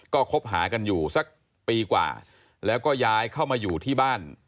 ก็คบหากันอยู่สักปีกว่าแล้วก็ย้ายเข้ามาอยู่ที่บ้าน